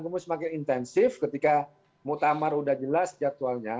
kemudian semakin intensif ketika mutamar sudah jelas jadwalnya